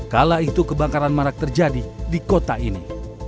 kala itu kebakaran marak terjadi di kota ini